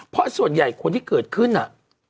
เพราะส่วนใหญ่คนที่เกิดขึ้นน่ะ